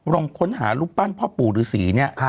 ค้นหารูปปั้นพ่อปู่ฤษีเนี่ย